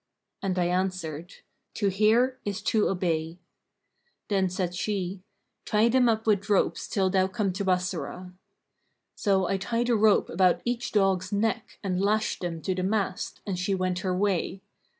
And I answered, 'To hear is to obey.' Then said she, 'Tie them up with ropes till thou come to Bassorah.' So I tied a rope about each dog's neck and lashed them to the mast, and she went her way.